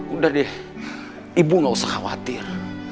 udah deh ibu gak usah khawatir